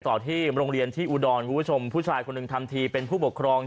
ต่อที่โรงเรียนที่อุดรคุณผู้ชมผู้ชายคนหนึ่งทำทีเป็นผู้ปกครอง